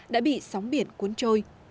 đã bị sóng biển cuốn trôi